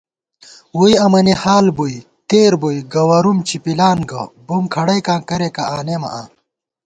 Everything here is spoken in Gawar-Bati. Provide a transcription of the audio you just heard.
ووئی امَنی حال بُوئی تېربُوئی، گوَرُوم چِپِلان گہ، بُم کھڑَئیکاں کریَکہ آنېمہ آں